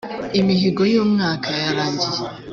imihigo y ‘umwaka yarangiye.